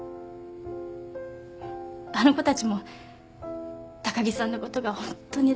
あの子たちも高木さんのことがホントに大好きで。